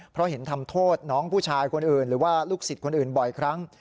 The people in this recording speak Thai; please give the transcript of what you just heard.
เพราะเห็นทำโทษน้องผู้ชายคนอื่นหรือว่าลูกศิษย์คนอื่นบ่อยครั้ง